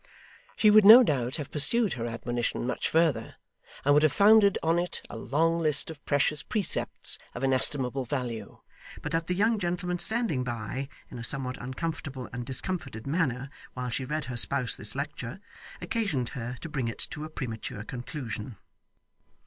She would no doubt have pursued her admonition much further, and would have founded on it a long list of precious precepts of inestimable value, but that the young gentleman standing by in a somewhat uncomfortable and discomfited manner while she read her spouse this lecture, occasioned her to bring it to a premature conclusion.